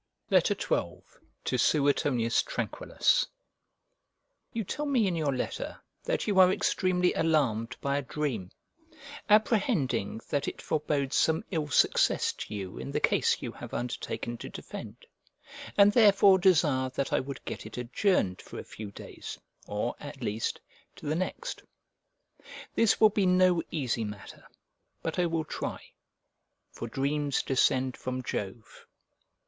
XII To SUETONIUS TRANQUILLUS You tell me in your letter that you are extremely alarmed by a dream; apprehending that it forebodes some ill success to you in the case you have undertaken to defend; and, therefore, desire that I would get it adjourned for a few days, or, at least, to the next. This will be no easy matter, but I will try: "For dreams descend from Jove."